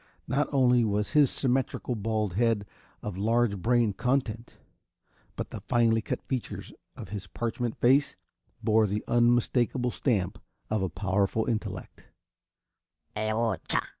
Not only was his symmetrical bald head of large brain content, but the finely cut features of his parchment face bore the unmistakable stamp of a powerful intellect.